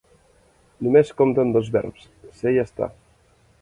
Només compten dos verbs: ser i estar.